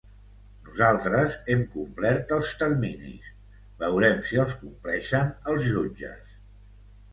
Nosaltres hem complert els terminis, veurem si els compleixen els jutges.